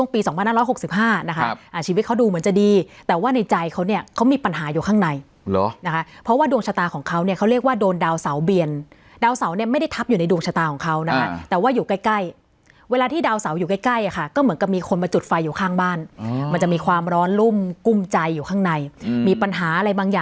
พึ่งไม่ค่อยได้แต่ถ้าสมมติว่าสิ่งไหน